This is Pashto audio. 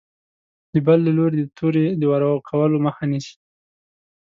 د بل له لوري د تورې د وار کولو مخه نیسي.